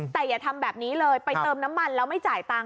แต่อย่าทำแบบนี้เลยไปเติมน้ำมันแล้วไม่จ่ายตังค์